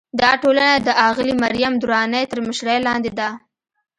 دا ټولنه د اغلې مریم درانۍ تر مشرۍ لاندې ده.